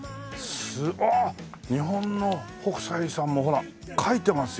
あっ日本の北斎さんもほら描いてますよ。